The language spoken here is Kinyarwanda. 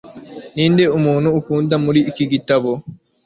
ninde muntu ukunda muri iki gitabo